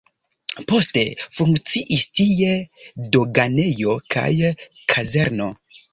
Poste funkciis tie doganejo kaj kazerno.